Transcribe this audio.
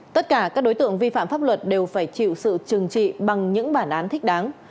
tất cả các đối tượng vi phạm pháp luật đều phải chịu sự trừng trị bằng những bản án thích đáng